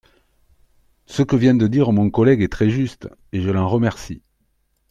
Ce que vient de dire mon collègue est très juste, et je l’en remercie.